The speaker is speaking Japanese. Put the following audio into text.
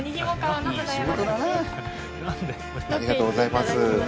ありがとうございます。